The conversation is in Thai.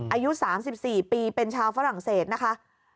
อายุ๓๔ปีเป็นชาวฝรั่งเศสนะคะ